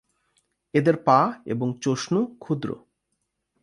এদের পা এবং চঞ্চু ক্ষুদ্র।